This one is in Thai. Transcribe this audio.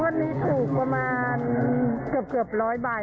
มันนี่ถูกประมาณเกือบบาท